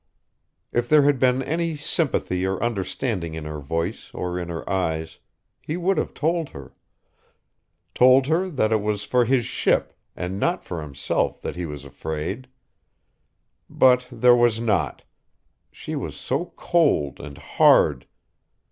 If there had been any sympathy or understanding in her voice or in her eyes, he would have told her ... told her that it was for his ship and not for himself that he was afraid. But there was not. She was so cold and hard....